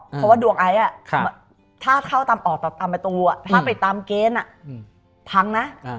เพราะว่าดวงไอซ์ถ้าเข้าตามออกตามประตูถ้าไปตามเกณฑ์พังนะ